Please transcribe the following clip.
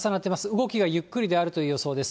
動きがゆっくりであるという予想です。